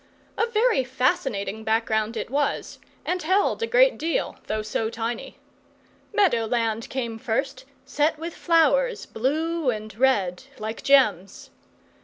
A very fascinating background it was, and held a great deal, though so tiny. Meadow land came first, set with flowers, blue and red, like gems.